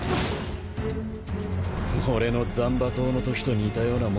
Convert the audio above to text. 俺の斬馬刀のときと似たようなもんだな。